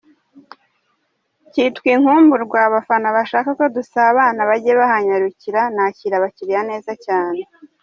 Kitwa ‘Inkumburwa’ ,abafana bashaka ko dusabana bajye bahanyarukira nakira abakiriya neza cyane.